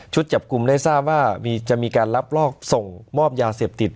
จับกลุ่มได้ทราบว่าจะมีการรับลอกส่งมอบยาเสพติด